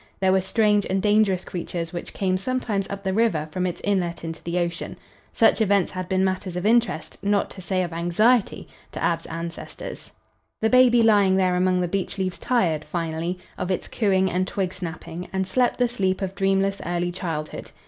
There were strange and dangerous creatures which came sometimes up the river from its inlet into the ocean. Such events had been matters of interest, not to say of anxiety, to Ab's ancestors. The baby lying there among the beech leaves tired, finally, of its cooing and twig snapping and slept the sleep of dreamless early childhood.